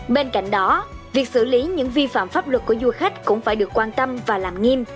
bên cạnh đó việc xử lý những vi phạm pháp luật của du khách cũng phải được quan tâm và làm nghiêm